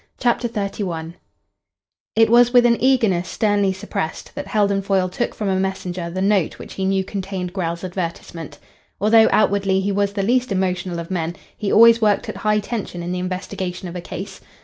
CHAPTER XXXI It was with an eagerness sternly suppressed that Heldon Foyle took from a messenger the note which he knew contained Grell's advertisement. Although outwardly he was the least emotional of men, he always worked at high tension in the investigation of a case.